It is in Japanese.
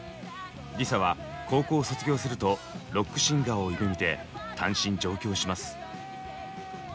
ＬｉＳＡは高校を卒業するとロックシンガーを夢みて単身上京します。